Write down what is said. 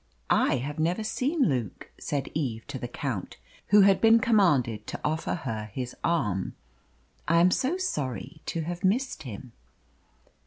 "I have never seen Luke," said Eve to the Count, who had been commanded to offer her his arm. "I am so sorry to have missed him."